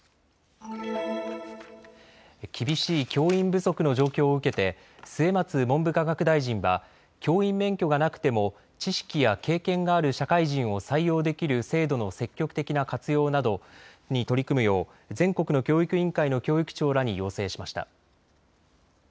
厳しい教員不足の状況を受けて末松文部科学大臣は教員免許がなくても知識や経験がある社会人を採用できる制度の積極的な活用などに取り組むよう全国の教育委員会の教育長らに要請しました。